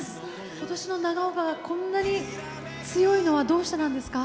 今年の長岡がこんなに強いのはどうしてなんですか？